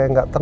ini kak pi